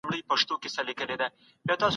وران کاران نظم له منځه وړي.